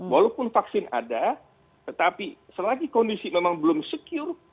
walaupun vaksin ada tetapi selagi kondisi memang belum secure